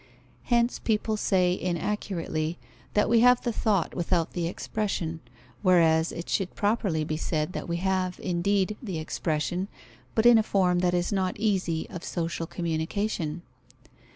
Hence people say inaccurately, that we have the thought without the expression; whereas it should properly be said that we have, indeed, the expression, but in a form that is not easy of social communication.